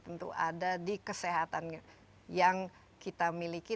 tentu ada di kesehatan yang kita miliki